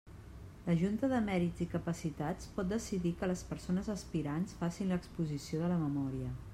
La Junta de Mèrits i Capacitats pot decidir que les persones aspirants facin l'exposició de la memòria.